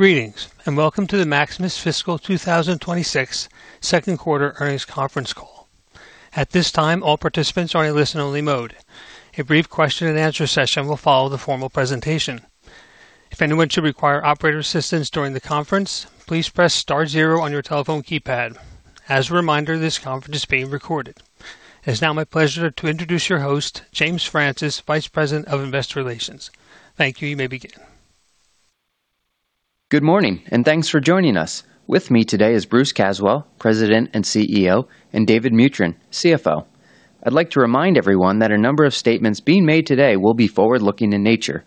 Greetings, welcome to the Maximus Fiscal 2026 second quarter earnings conference call. At this time, all participants are in listen only mode. A brief question and answer session will follow the formal presentation. If anyone should require operator assistance during the conference, please press star zero on your telephone keypad. As a reminder, this conference is being recorded. It is now my pleasure to introduce your host, James Francis, Vice President of Investor Relations. Thank you. You may begin. Good morning, and thanks for joining us. With me today is Bruce Caswell, President and CEO, and David Mutryn, CFO. I'd like to remind everyone that a number of statements being made today will be forward-looking in nature.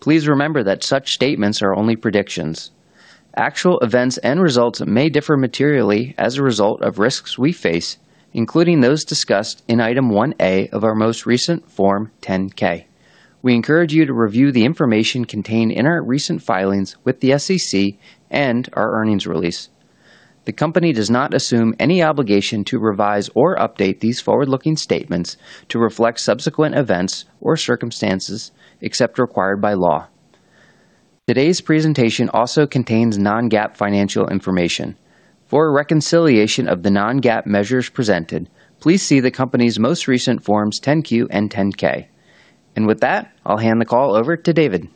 Please remember that such statements are only predictions. Actual events and results may differ materially as a result of risks we face, including those discussed in Item 1A of our most recent Form 10-K. We encourage you to review the information contained in our recent filings with the SEC and our earnings release. The company does not assume any obligation to revise or update these forward-looking statements to reflect subsequent events or circumstances except required by law. Today's presentation also contains non-GAAP financial information. For a reconciliation of the non-GAAP measures presented, please see the company's most recent Forms 10-Q and 10-K. With that, I'll hand the call over to David.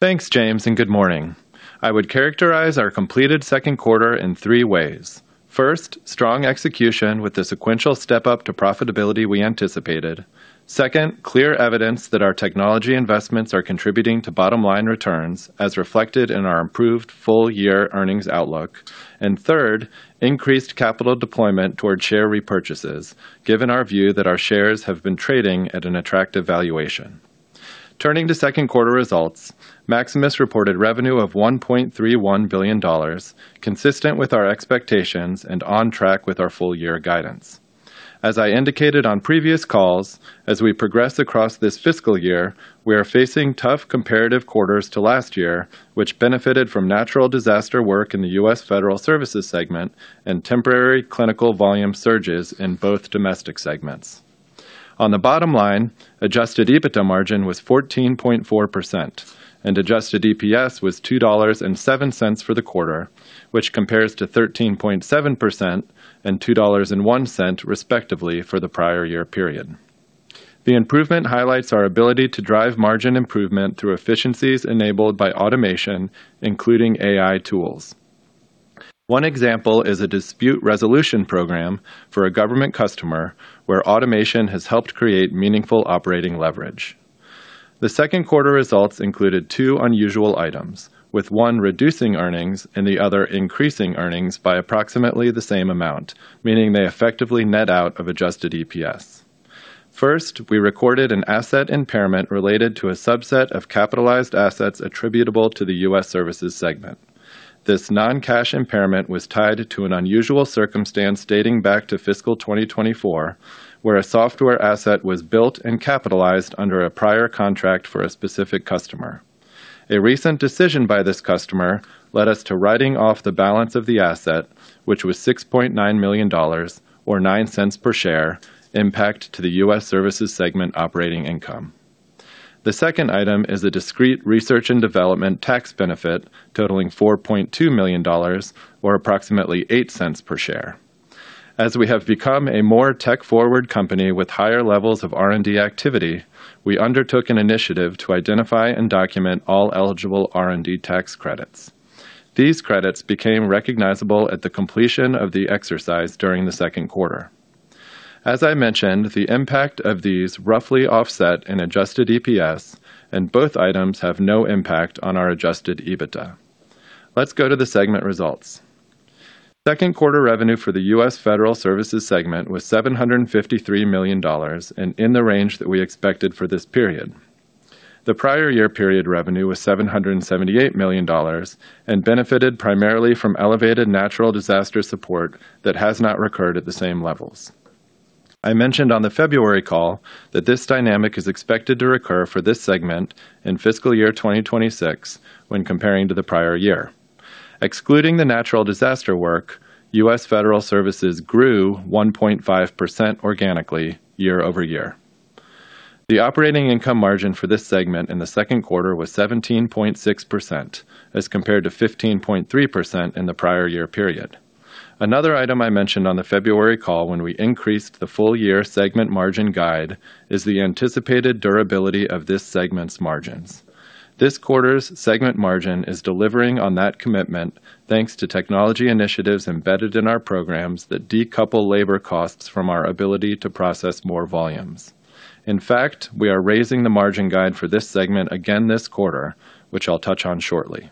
Thanks, James. Good morning. I would characterize our completed second quarter in three ways. First, strong execution with the sequential step-up to profitability we anticipated. Second, clear evidence that our technology investments are contributing to bottom-line returns, as reflected in our improved full year earnings outlook. Third, increased capital deployment toward share repurchases, given our view that our shares have been trading at an attractive valuation. Turning to second quarter results, Maximus reported revenue of $1.31 billion, consistent with our expectations and on track with our full year guidance. As I indicated on previous calls, as we progress across this fiscal year, we are facing tough comparative quarters to last year, which benefited from natural disaster work in the U.S. Federal Services segment and temporary clinical volume surges in both domestic segments. On the bottom line, Adjusted EBITDA margin was 14.4% and Adjusted EPS was $2.07 for the quarter, which compares to 13.7% and $2.01, respectively, for the prior year period. The improvement highlights our ability to drive margin improvement through efficiencies enabled by automation, including AI tools. One example is a dispute resolution program for a government customer where automation has helped create meaningful operating leverage. The second quarter results included two unusual items, with one reducing earnings and the other increasing earnings by approximately the same amount, meaning they effectively net out of Adjusted EPS. First, we recorded an asset impairment related to a subset of capitalized assets attributable to the U.S. Services segment. This non-cash impairment was tied to an unusual circumstance dating back to fiscal 2024, where a software asset was built and capitalized under a prior contract for a specific customer. A recent decision by this customer led us to writing off the balance of the asset, which was $6.9 million or $0.09 per share impact to the U.S. Services segment operating income. The second item is a discrete research and development tax benefit totaling $4.2 million or approximately $0.08 per share. As we have become a more tech-forward company with higher levels of R&D activity, we undertook an initiative to identify and document all eligible R&D tax credits. These credits became recognizable at the completion of the exercise during the second quarter. As I mentioned, the impact of these roughly offset an Adjusted EPS, and both items have no impact on our Adjusted EBITDA. Let's go to the segment results. Second quarter revenue for the U.S. Federal Services segment was $753 million and in the range that we expected for this period. The prior year period revenue was $778 million and benefited primarily from elevated natural disaster support that has not recurred at the same levels. I mentioned on the February call that this dynamic is expected to recur for this segment in FY 2026 when comparing to the prior year. Excluding the natural disaster work, U.S. Federal Services grew 1.5% organically year-over-year. The operating income margin for this segment in the second quarter was 17.6% as compared to 15.3% in the prior year period. Another item I mentioned on the February call when we increased the full year segment margin guide is the anticipated durability of this segment's margins. This quarter's segment margin is delivering on that commitment thanks to technology initiatives embedded in our programs that decouple labor costs from our ability to process more volumes. We are raising the margin guide for this segment again this quarter, which I'll touch on shortly.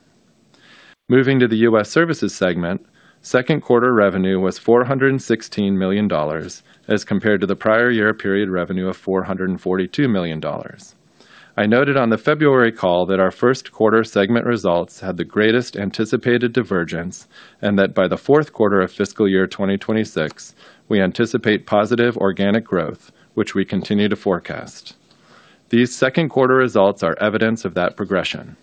Moving to the U.S. Services segment, second quarter revenue was $416 million as compared to the prior year period revenue of $442 million. I noted on the February call that our first quarter segment results had the greatest anticipated divergence, and that by the fourth quarter of fiscal year 2026, we anticipate positive organic growth, which we continue to forecast. These second quarter results are evidence of that progression.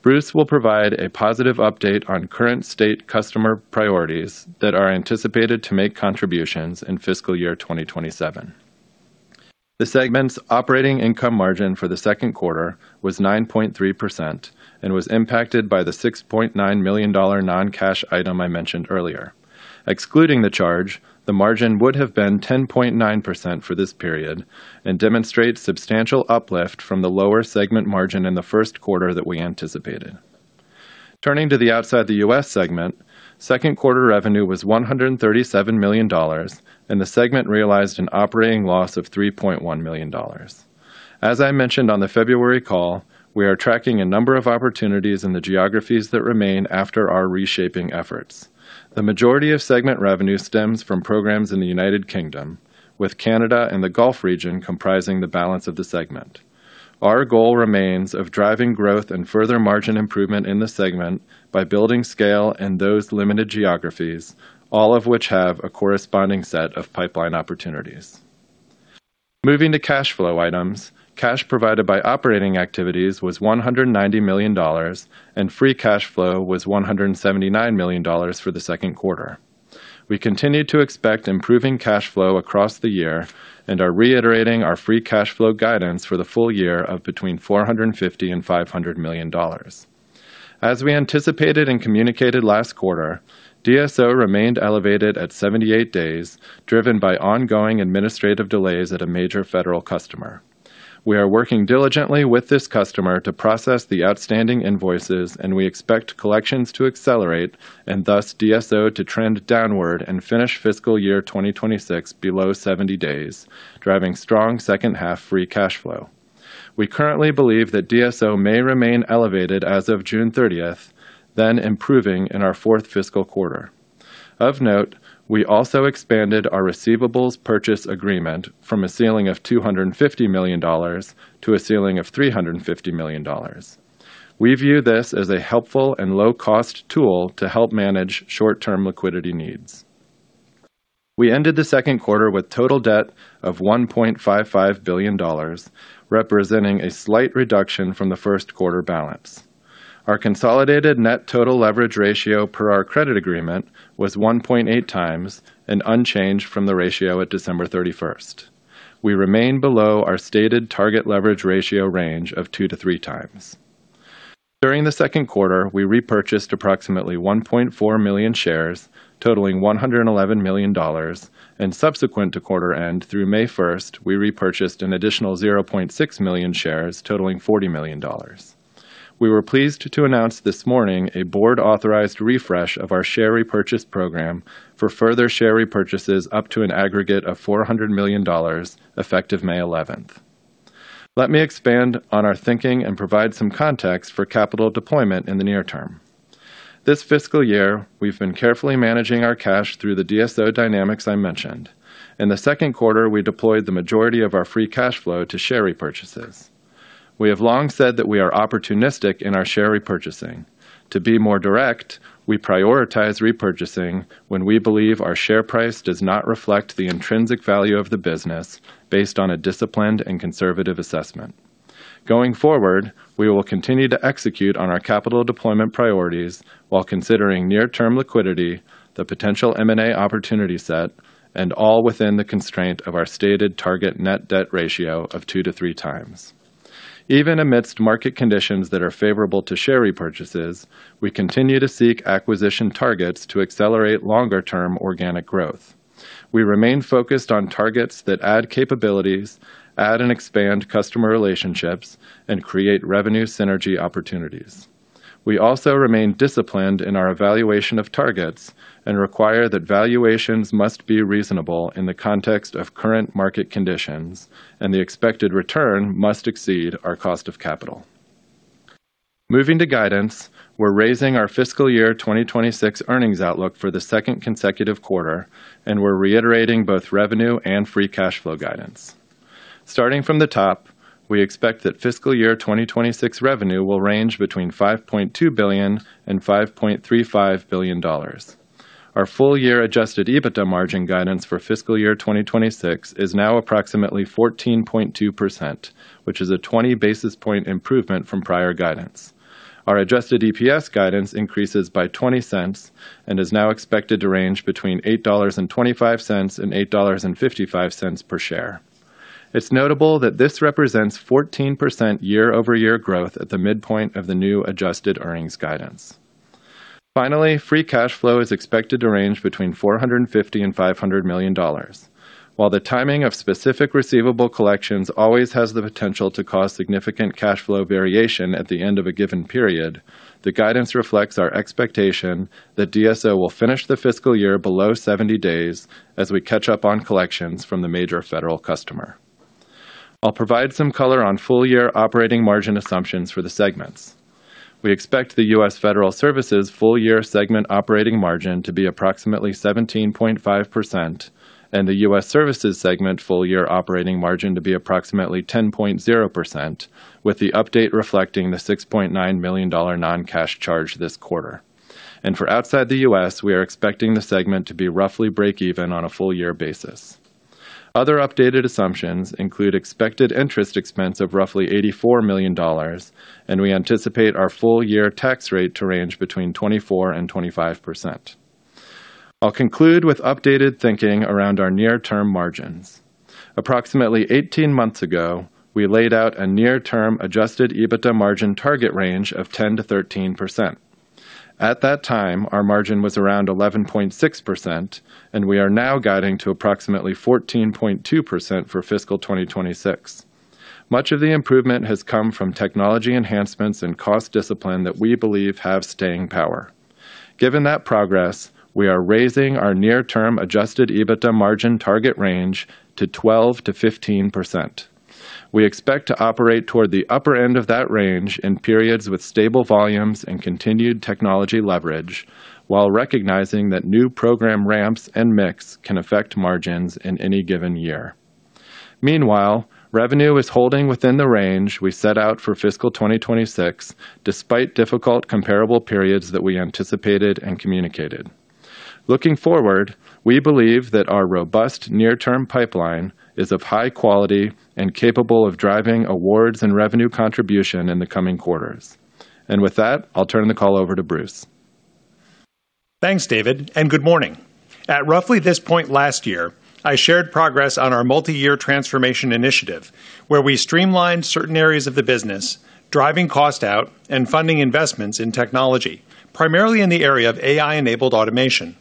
Bruce will provide a positive update on current state customer priorities that are anticipated to make contributions in fiscal year 2027. The segment's operating income margin for the second quarter was 9.3% and was impacted by the $6.9 million non-cash item I mentioned earlier. Excluding the charge, the margin would have been 10.9% for this period and demonstrates substantial uplift from the lower segment margin in the first quarter that we anticipated. Turning to the Outside the U.S. segment, second quarter revenue was $137 million, and the segment realized an operating loss of $3.1 million. As I mentioned on the February call, we are tracking a number of opportunities in the geographies that remain after our reshaping efforts. The majority of segment revenue stems from programs in the United Kingdom, with Canada and the Gulf region comprising the balance of the segment. Our goal remains of driving growth and further margin improvement in the segment by building scale in those limited geographies, all of which have a corresponding set of pipeline opportunities. Moving to cash flow items, cash provided by operating activities was $190 million, and free cash flow was $179 million for the second quarter. We continue to expect improving cash flow across the year and are reiterating our free cash flow guidance for the full year of between $450 million and $500 million. As we anticipated and communicated last quarter, DSO remained elevated at 78 days, driven by ongoing administrative delays at a major federal customer. We are working diligently with this customer to process the outstanding invoices, and we expect collections to accelerate and thus DSO to trend downward and finish fiscal year 2026 below 70 days, driving strong second half free cash flow. We currently believe that DSO may remain elevated as of June 30th, then improving in our fourth fiscal quarter. Of note, we also expanded our receivables purchase agreement from a ceiling of $250 million to a ceiling of $350 million. We view this as a helpful and low cost tool to help manage short-term liquidity needs. We ended the second quarter with total debt of $1.55 billion, representing a slight reduction from the first quarter balance. Our consolidated net total leverage ratio per our credit agreement was 1.8 times and unchanged from the ratio at December 31st. We remain below our stated target leverage ratio range of 2-3 times. During the second quarter, we repurchased approximately 1.4 million shares totaling $111 million, and subsequent to quarter end through May 1st, we repurchased an additional 0.6 million shares totaling $40 million. We were pleased to announce this morning a board-authorized refresh of our share repurchase program for further share repurchases up to an aggregate of $400 million effective May 11th. Let me expand on our thinking and provide some context for capital deployment in the near term. This fiscal year, we've been carefully managing our cash through the DSO dynamics I mentioned. In the second quarter, we deployed the majority of our free cash flow to share repurchases. We have long said that we are opportunistic in our share repurchasing. To be more direct, we prioritize repurchasing when we believe our share price does not reflect the intrinsic value of the business based on a disciplined and conservative assessment. Going forward, we will continue to execute on our capital deployment priorities while considering near-term liquidity, the potential M&A opportunity set, and all within the constraint of our stated target net debt ratio of two to three times. Even amidst market conditions that are favorable to share repurchases, we continue to seek acquisition targets to accelerate longer-term organic growth. We remain focused on targets that add capabilities, add and expand customer relationships, and create revenue synergy opportunities. We also remain disciplined in our evaluation of targets and require that valuations must be reasonable in the context of current market conditions, and the expected return must exceed our cost of capital. Moving to guidance, we're raising our fiscal year 2026 earnings outlook for the second consecutive quarter, and we're reiterating both revenue and free cash flow guidance. Starting from the top, we expect that fiscal year 2026 revenue will range between $5.2 billion and $5.35 billion. Our full year Adjusted EBITDA margin guidance for fiscal year 2026 is now approximately 14.2%, which is a 20 basis point improvement from prior guidance. Our Adjusted EPS guidance increases by $0.20 and is now expected to range between $8.25 and $8.55 per share. It's notable that this represents 14% year-over-year growth at the midpoint of the new adjusted earnings guidance. Finally, free cash flow is expected to range between $450 million and $500 million. While the timing of specific receivable collections always has the potential to cause significant cash flow variation at the end of a given period, the guidance reflects our expectation that DSO will finish the fiscal year below 70 days as we catch up on collections from the major federal customer. I'll provide some color on full year operating margin assumptions for the segments. We expect the U.S. Federal Services full year segment operating margin to be approximately 17.5% and the U.S. Services segment full year operating margin to be approximately 10.0%, with the update reflecting the $6.9 million non-cash charge this quarter. For Outside the U.S., we are expecting the segment to be roughly break even on a full year basis. Other updated assumptions include expected interest expense of roughly $84 million, we anticipate our full year tax rate to range between 24% and 25%. I'll conclude with updated thinking around our near-term margins. Approximately 18 months ago, we laid out a near-term Adjusted EBITDA margin target range of 10%-13%. At that time, our margin was around 11.6%, we are now guiding to approximately 14.2% for fiscal 2026. Much of the improvement has come from technology enhancements and cost discipline that we believe have staying power. Given that progress, we are raising our near-term Adjusted EBITDA margin target range to 12%-15%. We expect to operate toward the upper end of that range in periods with stable volumes and continued technology leverage, while recognizing that new program ramps and mix can affect margins in any given year. Revenue is holding within the range we set out for fiscal 2026, despite difficult comparable periods that we anticipated and communicated. Looking forward, we believe that our robust near-term pipeline is of high quality and capable of driving awards and revenue contribution in the coming quarters. With that, I'll turn the call over to Bruce. Thanks, David, and good morning. At roughly this point last year, I shared progress on our multi-year transformation initiative, where we streamlined certain areas of the business, driving cost out and funding investments in technology, primarily in the area of AI-enabled automation.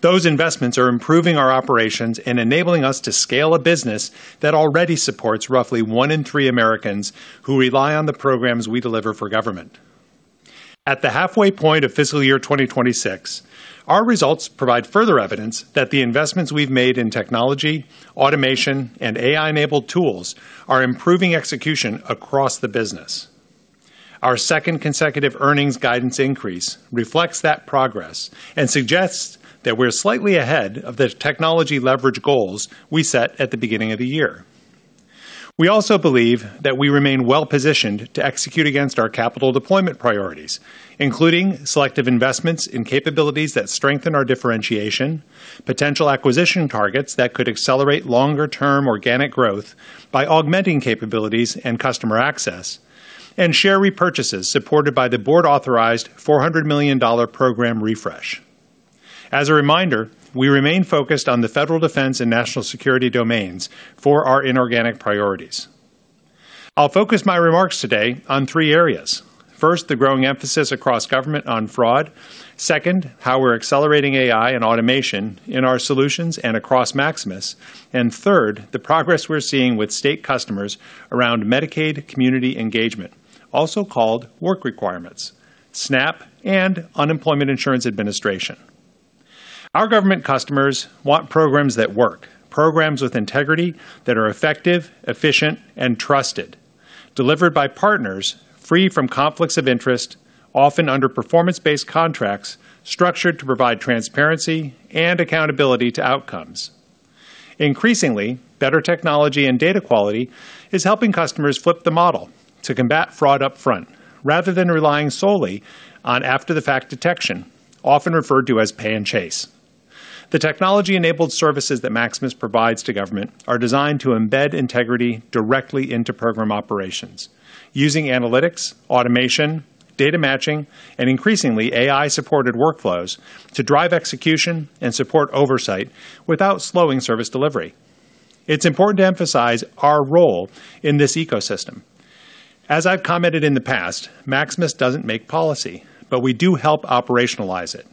Those investments are improving our operations and enabling us to scale a business that already supports roughly one in three Americans who rely on the programs we deliver for government. At the halfway point of fiscal year 2026, our results provide further evidence that the investments we've made in technology, automation, and AI-enabled tools are improving execution across the business. Our second consecutive earnings guidance increase reflects that progress and suggests that we're slightly ahead of the technology leverage goals we set at the beginning of the year. We also believe that we remain well-positioned to execute against our capital deployment priorities, including selective investments in capabilities that strengthen our differentiation, potential acquisition targets that could accelerate longer-term organic growth by augmenting capabilities and customer access, and share repurchases supported by the board-authorized $400 million program refresh. As a reminder, we remain focused on the federal defense and national security domains for our inorganic priorities. I'll focus my remarks today on three areas. First, the growing emphasis across government on fraud. Second, how we're accelerating AI and automation in our solutions and across Maximus. Third, the progress we're seeing with state customers around Medicaid community engagement, also called work requirements, SNAP, and unemployment insurance administration. Our government customers want programs that work, programs with integrity that are effective, efficient, and trusted, delivered by partners free from conflicts of interest, often under performance-based contracts structured to provide transparency and accountability to outcomes. Increasingly, better technology and data quality is helping customers flip the model to combat fraud up front rather than relying solely on after-the-fact detection, often referred to as pay and chase. The technology-enabled services that Maximus provides to government are designed to embed integrity directly into program operations using analytics, automation, data matching, and increasingly AI-supported workflows to drive execution and support oversight without slowing service delivery. It's important to emphasize our role in this ecosystem. As I've commented in the past, Maximus doesn't make policy, but we do help operationalize it.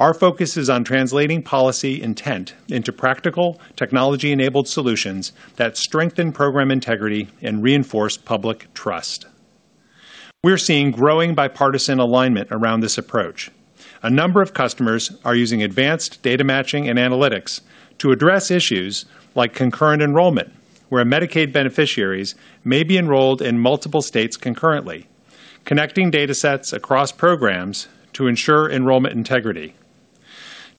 Our focus is on translating policy intent into practical technology-enabled solutions that strengthen program integrity and reinforce public trust. We're seeing growing bipartisan alignment around this approach. A number of customers are using advanced data matching and analytics to address issues like concurrent enrollment, where Medicaid beneficiaries may be enrolled in multiple states concurrently, connecting data sets across programs to ensure enrollment integrity.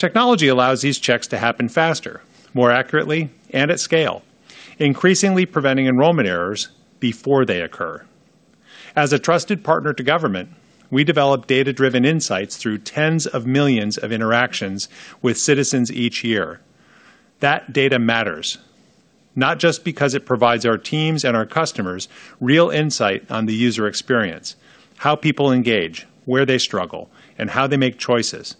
Technology allows these checks to happen faster, more accurately, and at scale, increasingly preventing enrollment errors before they occur. As a trusted partner to government, we develop data-driven insights through tens of millions of interactions with citizens each year. That data matters, not just because it provides our teams and our customers real insight on the user experience, how people engage, where they struggle, and how they make choices.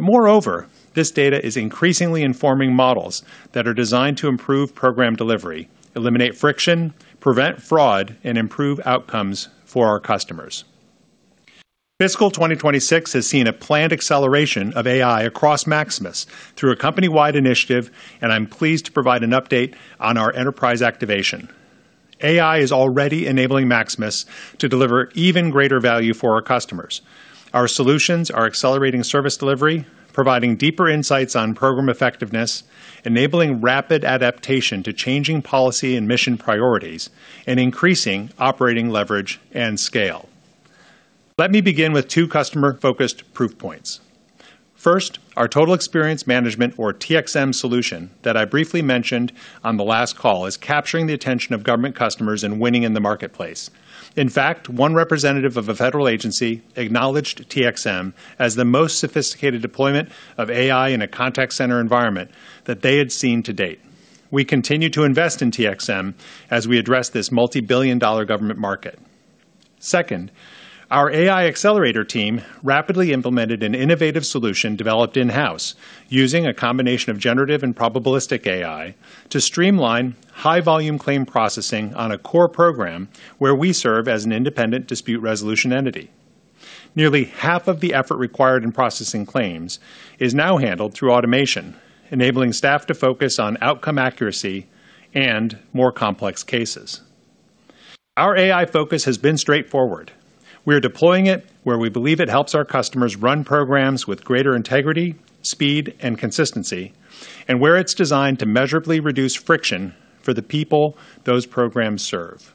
Moreover, this data is increasingly informing models that are designed to improve program delivery, eliminate friction, prevent fraud, and improve outcomes for our customers. Fiscal 2026 has seen a planned acceleration of AI across Maximus through a company-wide initiative, and I'm pleased to provide an update on our enterprise activation. AI is already enabling Maximus to deliver even greater value for our customers. Our solutions are accelerating service delivery, providing deeper insights on program effectiveness, enabling rapid adaptation to changing policy and mission priorities, and increasing operating leverage and scale. Let me begin with two customer-focused proof points. First, our Total Experience Management, or TXM solution, that I briefly mentioned on the last call, is capturing the attention of government customers and winning in the marketplace. In fact, one representative of a federal agency acknowledged TXM as the most sophisticated deployment of AI in a contact center environment that they had seen to date. We continue to invest in TXM as we address this multi-billion-dollar government market. Second, our AI accelerator team rapidly implemented an innovative solution developed in-house using a combination of generative and probabilistic AI to streamline high-volume claim processing on a core program where we serve as an independent dispute resolution entity. Nearly half of the effort required in processing claims is now handled through automation, enabling staff to focus on outcome accuracy and more complex cases. Our AI focus has been straightforward. We are deploying it where we believe it helps our customers run programs with greater integrity, speed, and consistency, and where it's designed to measurably reduce friction for the people those programs serve.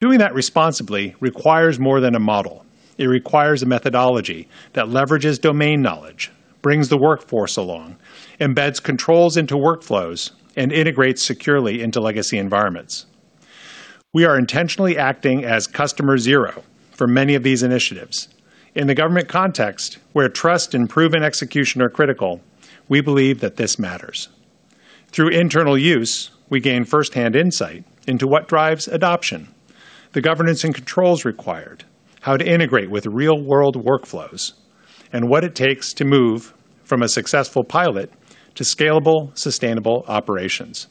Doing that responsibly requires more than a model. It requires a methodology that leverages domain knowledge, brings the workforce along, embeds controls into workflows, and integrates securely into legacy environments. We are intentionally acting as customer zero for many of these initiatives. In the government context, where trust and proven execution are critical, we believe that this matters. Through internal use, we gain first-hand insight into what drives adoption, the governance and controls required, how to integrate with real-world workflows, and what it takes to move from a successful pilot to scalable, sustainable operations.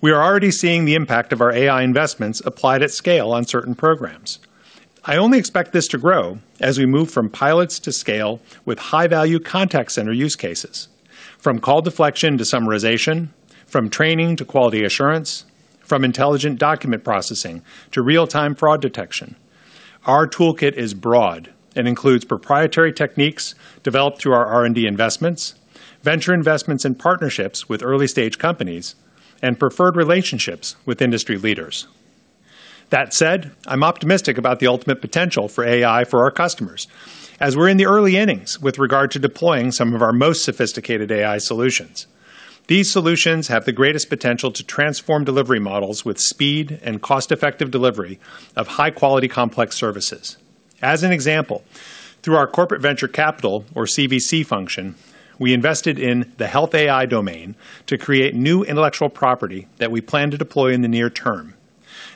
We are already seeing the impact of our AI investments applied at scale on certain programs. I only expect this to grow as we move from pilots to scale with high-value contact center use cases. From call deflection to summarization, from training to quality assurance, from intelligent document processing to real-time fraud detection, our toolkit is broad and includes proprietary techniques developed through our R&D investments, venture investments and partnerships with early-stage companies, and preferred relationships with industry leaders. That said, I'm optimistic about the ultimate potential for AI for our customers as we're in the early innings with regard to deploying some of our most sophisticated AI solutions. These solutions have the greatest potential to transform delivery models with speed and cost-effective delivery of high-quality complex services. As an example, through our corporate venture capital, or CVC function, we invested in the health AI domain to create new intellectual property that we plan to deploy in the near term.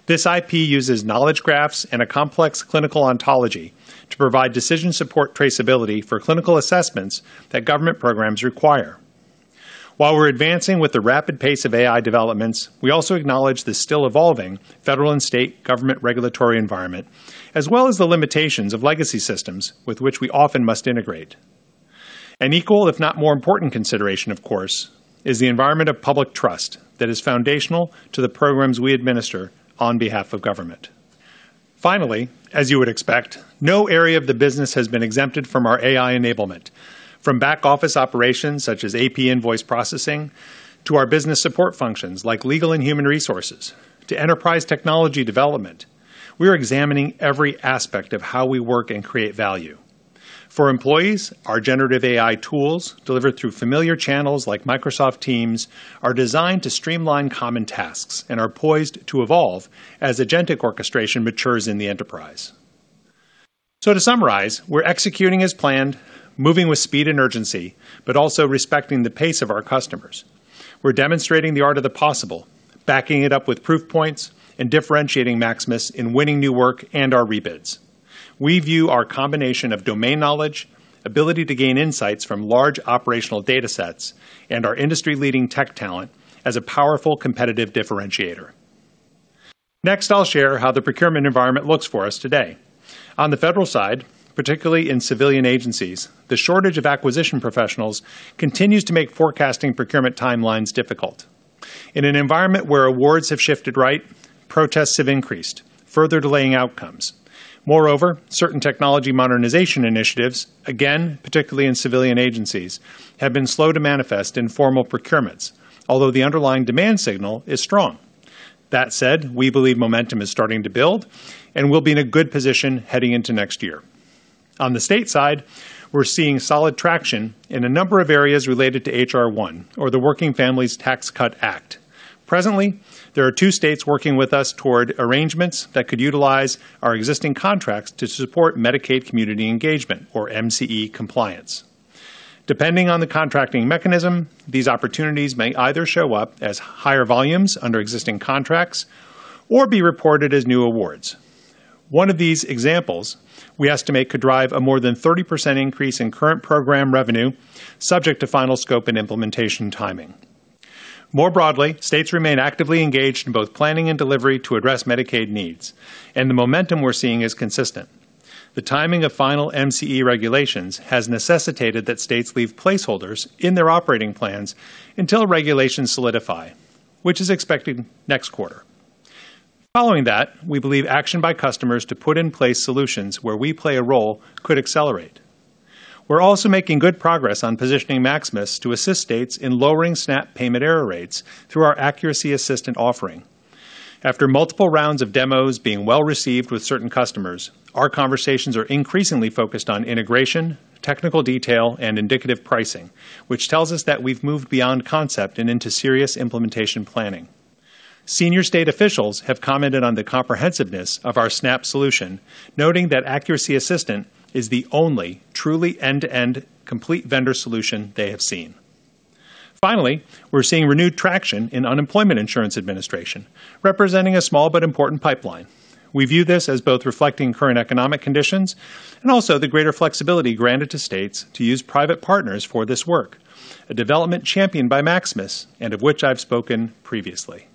This IP uses knowledge graphs and a complex clinical ontology to provide decision support traceability for clinical assessments that government programs require. While we're advancing with the rapid pace of AI developments, we also acknowledge the still evolving federal and state government regulatory environment, as well as the limitations of legacy systems with which we often must integrate. An equal, if not more important consideration, of course, is the environment of public trust that is foundational to the programs we administer on behalf of government. Finally, as you would expect, no area of the business has been exempted from our AI enablement. From back-office operations such as AP invoice processing to our business support functions like legal and human resources to enterprise technology development, we are examining every aspect of how we work and create value. For employees, our generative AI tools delivered through familiar channels like Microsoft Teams are designed to streamline common tasks and are poised to evolve as agentic orchestration matures in the enterprise. To summarize, we're executing as planned, moving with speed and urgency, but also respecting the pace of our customers. We're demonstrating the art of the possible, backing it up with proof points and differentiating Maximus in winning new work and our rebids. We view our combination of domain knowledge, ability to gain insights from large operational data sets, and our industry-leading tech talent as a powerful competitive differentiator. Next, I'll share how the procurement environment looks for us today. On the federal side, particularly in civilian agencies, the shortage of acquisition professionals continues to make forecasting procurement timelines difficult. In an environment where awards have shifted right, protests have increased, further delaying outcomes. Moreover, certain technology modernization initiatives, again, particularly in civilian agencies, have been slow to manifest in formal procurements, although the underlying demand signal is strong. That said, we believe momentum is starting to build, and we'll be in a good position heading into next year. On the state side, we're seeing solid traction in a number of areas related to H.R. 1, or the Working Families Tax Cut Act. Presently, there are 2 states working with us toward arrangements that could utilize our existing contracts to support Medicaid Community Engagement, or MCE compliance. Depending on the contracting mechanism, these opportunities may either show up as higher volumes under existing contracts or be reported as new awards. One of these examples we estimate could drive a more than 30% increase in current program revenue, subject to final scope and implementation timing. More broadly, states remain actively engaged in both planning and delivery to address Medicaid needs, and the momentum we're seeing is consistent. The timing of final MCE regulations has necessitated that states leave placeholders in their operating plans until regulations solidify, which is expected next quarter. Following that, we believe action by customers to put in place solutions where we play a role could accelerate. We're also making good progress on positioning Maximus to assist states in lowering SNAP payment error rates through our Accuracy Assistant offering. After multiple rounds of demos being well-received with certain customers, our conversations are increasingly focused on integration, technical detail, and indicative pricing, which tells us that we've moved beyond concept and into serious implementation planning. Senior state officials have commented on the comprehensiveness of our SNAP solution, noting that Accuracy Assistant is the only truly end-to-end complete vendor solution they have seen. Finally, we're seeing renewed traction in unemployment insurance administration, representing a small but important pipeline. We view this as both reflecting current economic conditions and also the greater flexibility granted to states to use private partners for this work, a development championed by Maximus, and of which I've spoken previously.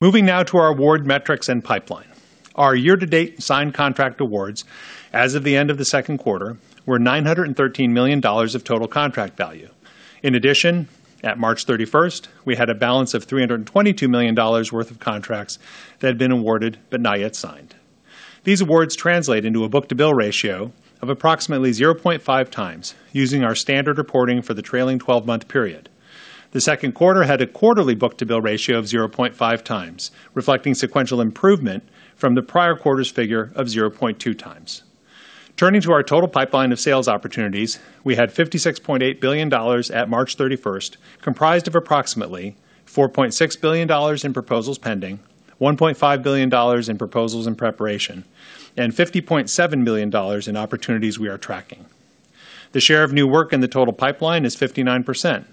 Moving now to our award metrics and pipeline. Our year-to-date signed contract awards as of the end of the second quarter were $913 million of total contract value. In addition, at March 31st, we had a balance of $322 million worth of contracts that had been awarded but not yet signed. These awards translate into a book-to-bill ratio of approximately 0.5 times using our standard reporting for the trailing twelve-month period. The second quarter had a quarterly book-to-bill ratio of 0.5 times, reflecting sequential improvement from the prior quarter's figure of 0.2 times. Turning to our total pipeline of sales opportunities, we had $56.8 billion at March 31st, comprised of approximately $4.6 billion in proposals pending, $1.5 billion in proposals in preparation, and $50.7 million in opportunities we are tracking. The share of new work in the total pipeline is 59%,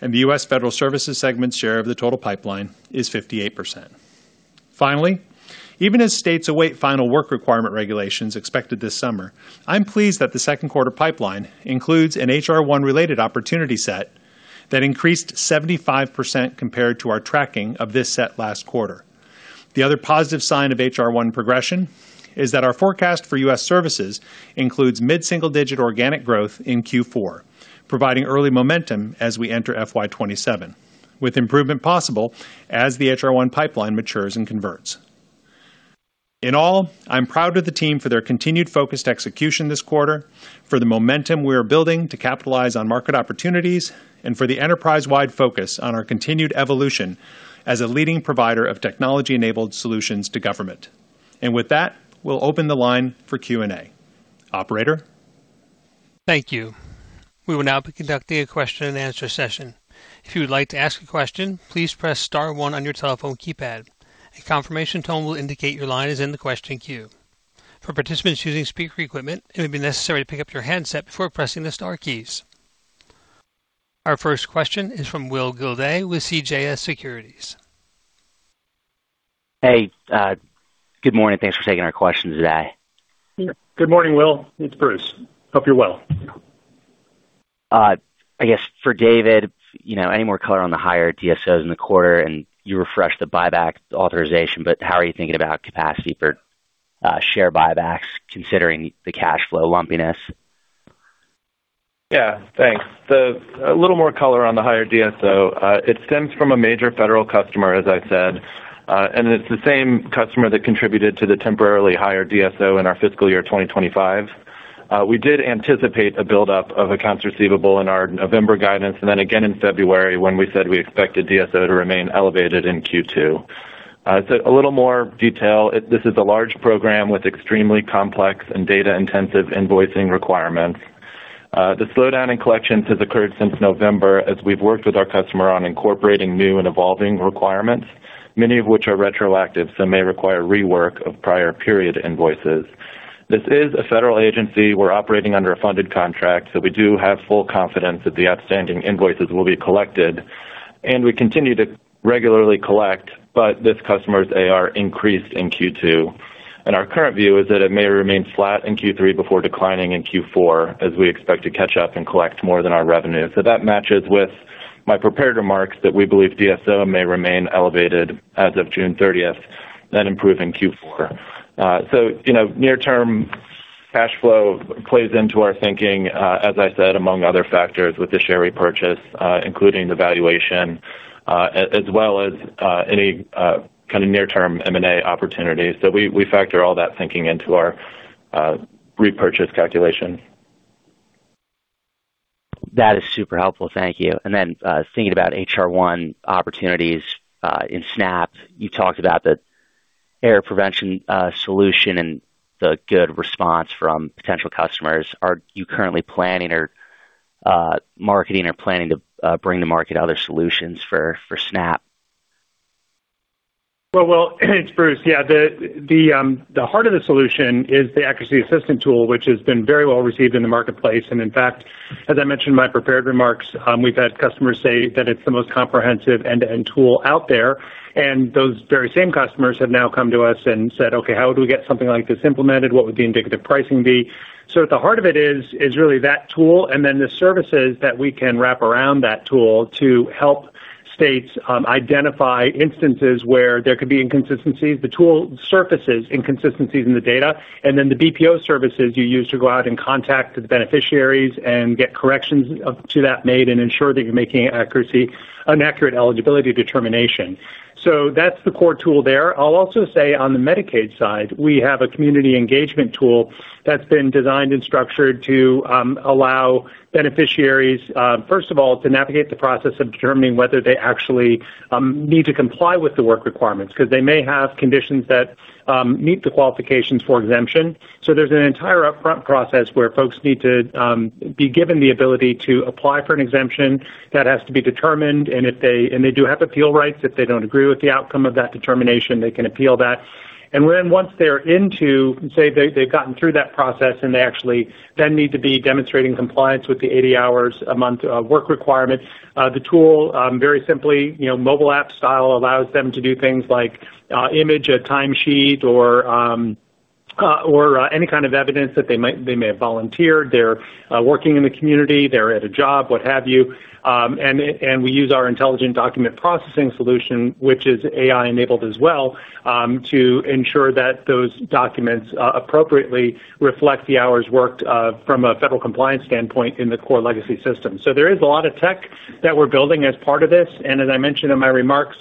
and the U.S. Federal Services segment's share of the total pipeline is 58%. Finally, even as states await final work requirement regulations expected this summer, I'm pleased that the second quarter pipeline includes an H.R. 1-related opportunity set that increased 75% compared to our tracking of this set last quarter. The other positive sign of H.R. 1 progression is that our forecast for U.S. Services includes mid-single-digit organic growth in Q4, providing early momentum as we enter FY 2027, with improvement possible as the H.R. 1 pipeline matures and converts. In all, I'm proud of the team for their continued focused execution this quarter, for the momentum we are building to capitalize on market opportunities, and for the enterprise-wide focus on our continued evolution as a leading provider of technology-enabled solutions to government. With that, we'll open the line for Q&A. Operator? Thank you. We will now be conducting a question-and-answer session. If you would like to ask a question, please press star 1 on your telephone keypad. A confirmation tone will indicate your line is in the question queue. For participants using speaker equipment, it may be necessary to pick up your handset before pressing the star keys. Our first question is from William Gildea with CJS Securities. Hey, good morning. Thanks for taking our questions today. Good morning, Will. It's Bruce. Hope you're well. I guess for David, you know, any more color on the higher DSOs in the quarter, and you refreshed the buyback authorization, but how are you thinking about capacity for share buybacks considering the cash flow lumpiness? Yeah. Thanks. A little more color on the higher DSO. It stems from a major federal customer, as I said, and it's the same customer that contributed to the temporarily higher DSO in our fiscal year 2025. We did anticipate a buildup of accounts receivable in our November guidance and then again in February when we said we expected DSO to remain elevated in Q2. A little more detail. This is a large program with extremely complex and data-intensive invoicing requirements. The slowdown in collections has occurred since November as we've worked with our customer on incorporating new and evolving requirements, many of which are retroactive, may require rework of prior period invoices. This is a federal agency. We're operating under a funded contract, we do have full confidence that the outstanding invoices will be collected, and we continue to regularly collect, this customer's AR increased in Q2. Our current view is that it may remain flat in Q3 before declining in Q4, as we expect to catch up and collect more than our revenue. That matches with my prepared remarks that we believe DSO may remain elevated as of June thirtieth, improve in Q4. You know, near-term cash flow plays into our thinking, as I said, among other factors with the share repurchase, including the valuation, as well as any kind of near-term M&A opportunities. We factor all that thinking into our repurchase calculation. That is super helpful. Thank you. Then, thinking about H.R. 1 opportunities in SNAP, you talked about the error prevention solution and the good response from potential customers. Are you currently planning or marketing or planning to bring to market other solutions for SNAP? Well, Will, it's Bruce. The heart of the solution is the Accuracy Assistant tool, which has been very well received in the marketplace. In fact, as I mentioned in my prepared remarks, we've had customers say that it's the most comprehensive end-to-end tool out there, and those very same customers have now come to us and said, "Okay, how would we get something like this implemented? What would the indicative pricing be?" At the heart of it is really that tool and then the services that we can wrap around that tool to help states identify instances where there could be inconsistencies. The tool surfaces inconsistencies in the data, then the BPO services you use to go out and contact the beneficiaries and get corrections to that made and ensure that you're making an accurate eligibility determination. That's the core tool there. I'll also say on the Medicaid side, we have a community engagement tool that's been designed and structured to allow beneficiaries, first of all, to navigate the process of determining whether they actually need to comply with the work requirements, because they may have conditions that meet the qualifications for exemption. There's an entire upfront process where folks need to be given the ability to apply for an exemption that has to be determined, and they do have appeal rights. If they don't agree with the outcome of that determination, they can appeal that. When once they've gotten through that process and they actually then need to be demonstrating compliance with the 80 hours a month work requirement, the tool, very simply, you know, mobile app style allows them to do things like image a time sheet or any kind of evidence that they may have volunteered. They're working in the community, they're at a job, what have you. We use our intelligent document processing solution, which is AI-enabled as well, to ensure that those documents appropriately reflect the hours worked from a federal compliance standpoint in the core legacy system. There is a lot of tech that we're building as part of this. As I mentioned in my remarks,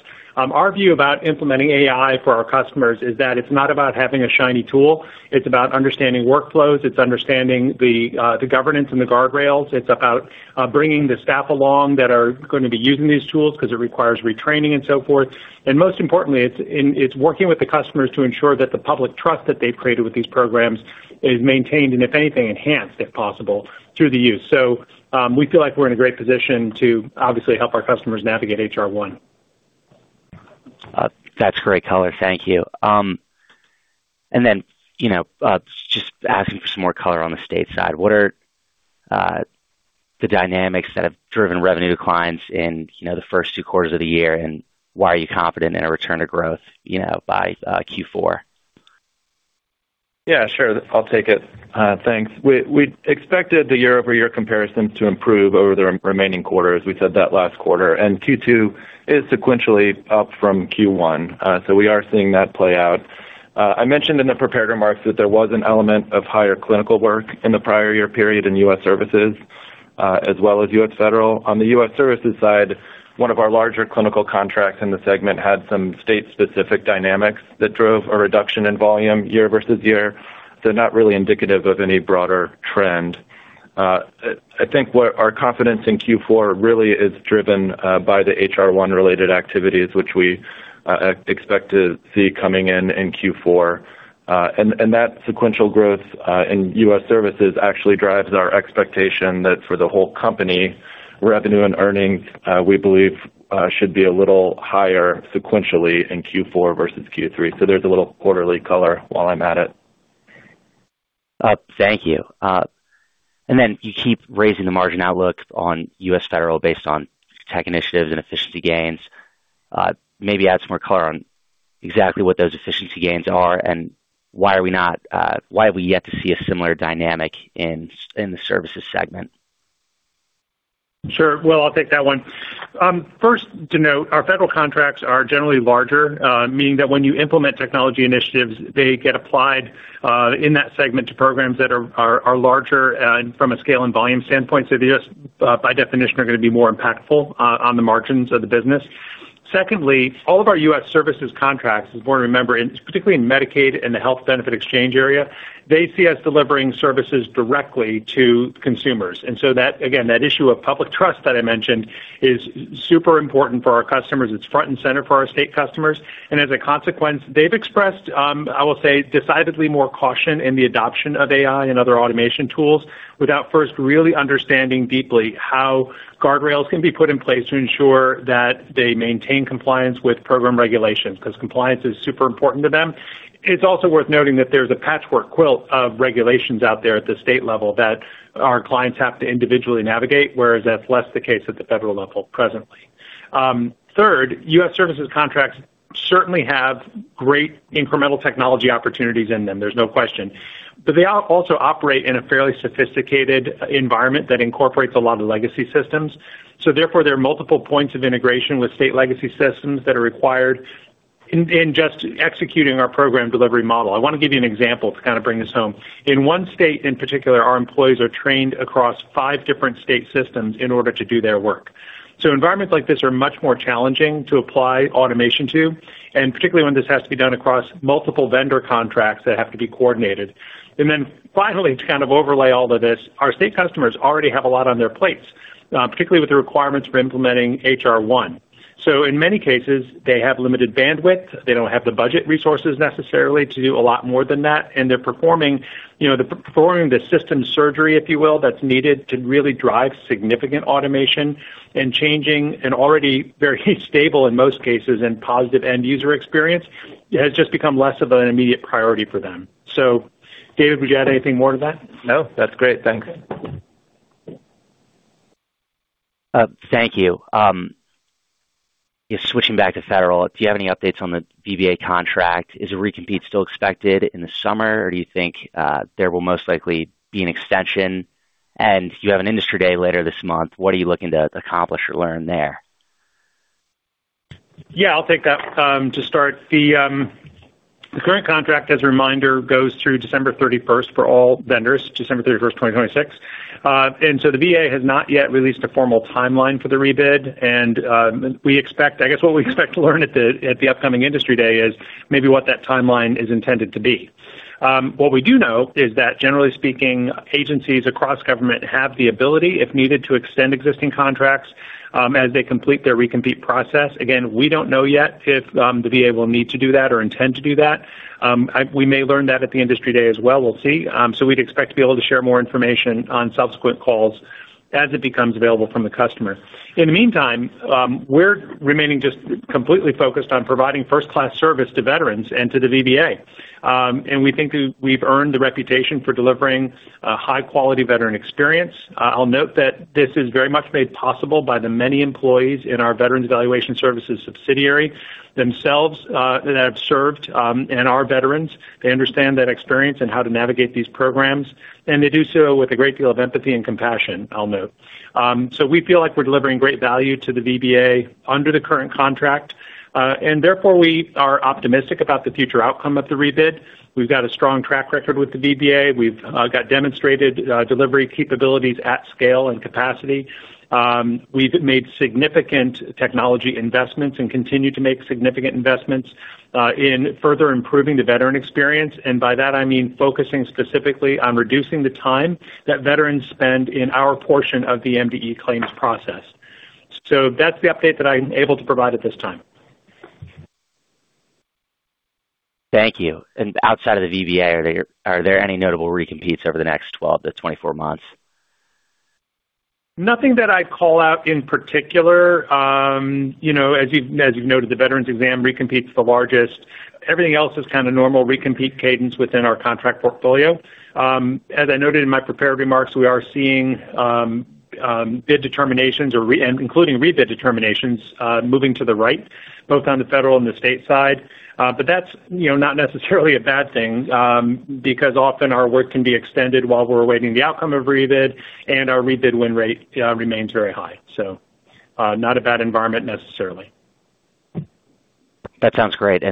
our view about implementing AI for our customers is that it's not about having a shiny tool, it's about understanding workflows. It's understanding the governance and the guardrails. It's about bringing the staff along that are gonna be using these tools 'cause it requires retraining and so forth. Most importantly, it's working with the customers to ensure that the public trust that they've created with these programs is maintained and if anything, enhanced, if possible, through the use. We feel like we're in a great position to obviously help our customers navigate H.R. 1. That's great color. Thank you. You know, just asking for some more color on the state side, what are the dynamics that have driven revenue declines in, you know, the first 2 quarters of the year, and why are you confident in a return to growth, you know, by Q4? Yeah, sure. I'll take it. Thanks. We expected the year-over-year comparisons to improve over the remaining quarters. We said that last quarter. Q2 is sequentially up from Q1. We are seeing that play out. I mentioned in the prepared remarks that there was an element of higher clinical work in the prior year period in U.S. Services, as well as U.S. Federal. On the U.S. Services side, one of our larger clinical contracts in the segment had some state-specific dynamics that drove a reduction in volume year-versus-year. They're not really indicative of any broader trend. I think what our confidence in Q4 really is driven by the H.R. 1 related activities, which we expect to see coming in in Q4. That sequential growth in U.S. services actually drives our expectation that for the whole company, revenue and earnings, we believe, should be a little higher sequentially in Q4 versus Q3. There's a little quarterly color while I'm at it. Thank you. You keep raising the margin outlook on U.S. Federal based on tech initiatives and efficiency gains. Maybe add some more color on exactly what those efficiency gains are and why have we yet to see a similar dynamic in the Services segment? Sure. Well, I'll take that one. First to note, our federal contracts are generally larger, meaning that when you implement technology initiatives, they get applied in that segment to programs that are larger from a scale and volume standpoint. They just, by definition, are gonna be more impactful on the margins of the business. Secondly, all of our U.S. Services contracts, it's important to remember, particularly in Medicaid and the health benefit exchange area, they see us delivering services directly to consumers. That, again, that issue of public trust that I mentioned is super important for our customers. It's front and center for our state customers, and as a consequence, they've expressed, I will say, decidedly more caution in the adoption of AI and other automation tools without first really understanding deeply how guardrails can be put in place to ensure that they maintain compliance with program regulations, 'cause compliance is super important to them. It's also worth noting that there's a patchwork quilt of regulations out there at the state level that our clients have to individually navigate, whereas that's less the case at the federal level presently. Third, U.S. Services contracts certainly have great incremental technology opportunities in them, there's no question. They also operate in a fairly sophisticated environment that incorporates a lot of legacy systems. Therefore, there are multiple points of integration with state legacy systems that are required in just executing our program delivery model. I wanna give you an example to kind of bring this home. In 1 state in particular, our employees are trained across 5 different state systems in order to do their work. Environments like this are much more challenging to apply automation to, and particularly when this has to be done across multiple vendor contracts that have to be coordinated. Finally, to kind of overlay all of this, our state customers already have a lot on their plates, particularly with the requirements for implementing H.R. 1. In many cases, they have limited bandwidth. They don't have the budget resources necessarily to do a lot more than that, and they're performing, you know, the system surgery, if you will, that's needed to really drive significant automation and changing an already very stable, in most cases, and positive end user experience. It has just become less of an immediate priority for them. David, would you add anything more to that? No, that's great. Thanks. Thank you. Yeah, switching back to federal, do you have any updates on the VBA contract? Is a recompete still expected in the summer, or do you think there will most likely be an extension? You have an industry day later this month. What are you looking to accomplish or learn there? Yeah, I'll take that. To start, the current contract, as a reminder, goes through December 31st for all vendors, December 31st, 2026. The VA has not yet released a formal timeline for the rebid. What we expect to learn at the upcoming industry day is maybe what that timeline is intended to be. What we do know is that generally speaking, agencies across government have the ability, if needed, to extend existing contracts as they complete their recompete process. Again, we don't know yet if the VA will need to do that or intend to do that. We may learn that at the industry day as well. We'll see. We'd expect to be able to share more information on subsequent calls as it becomes available from the customer. In the meantime, we're remaining just completely focused on providing first-class service to veterans and to the VBA. We think we've earned the reputation for delivering a high-quality veteran experience. I'll note that this is very much made possible by the many employees in our Veterans Evaluation Services subsidiary themselves, that have served and are veterans. They understand that experience and how to navigate these programs, they do so with a great deal of empathy and compassion, I'll note. We feel like we're delivering great value to the VBA under the current contract. Therefore, we are optimistic about the future outcome of the rebid. We've got a strong track record with the VBA. We've got demonstrated delivery capabilities at scale and capacity. We've made significant technology investments and continue to make significant investments in further improving the veteran experience. By that, I mean focusing specifically on reducing the time that veterans spend in our portion of the MDE claims process. That's the update that I'm able to provide at this time. Thank you. Outside of the VBA, are there any notable recompetes over the next 12 to 24 months? Nothing that I'd call out in particular. You know, as you've noted, the veterans exam recompete's the largest. Everything else is kind of normal recompete cadence within our contract portfolio. As I noted in my prepared remarks, we are seeing bid determinations or including rebid determinations moving to the right, both on the federal and the state side. That's, you know, not necessarily a bad thing, because often our work can be extended while we're awaiting the outcome of rebid, and our rebid win rate remains very high. Not a bad environment necessarily. That sounds great.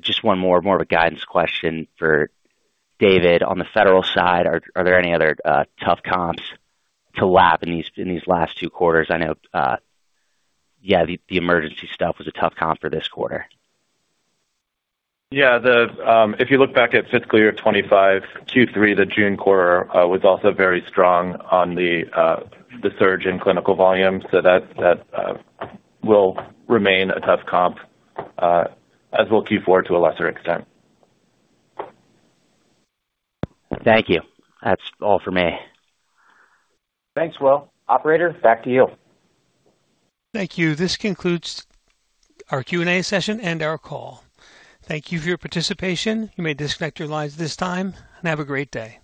Just one more of a guidance question for David. On the Federal side, are there any other tough comps to lap in these last two quarters? I know, yeah, the emergency stuff was a tough comp for this quarter. Yeah. The, if you look back at fiscal year 25 Q3, the June quarter, was also very strong on the surge in clinical volume. That, that, will remain a tough comp, as will Q4 to a lesser extent. Thank you. That's all for me. Thanks, Will. Operator, back to you. Thank you. This concludes our Q&A session and our call. Thank you for your participation. You may disconnect your lines at this time, and have a great day.